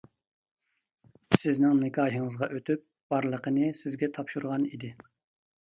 سىزنىڭ نىكاھىڭىزغا ئۆتۈپ بارلىقىنى سىزگە تاپشۇرغان ئىدى.